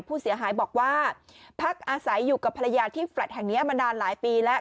ผู้เสียหายบอกว่าพักอาศัยอยู่กับภรรยาที่แฟลต์แห่งนี้มานานหลายปีแล้ว